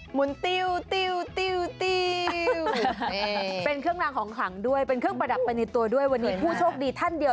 หุนติ้วติวเป็นเครื่องรางของขลังด้วยเป็นเครื่องประดับไปในตัวด้วยวันนี้ผู้โชคดีท่านเดียว